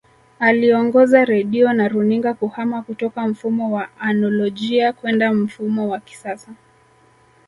Aliongoza Redio na runinga kuhama kutoka mfumo wa anolojia kwenda mfumo wa kisasa